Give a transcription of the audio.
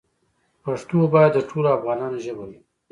پښتو باید د ټولو افغانانو ژبه وي.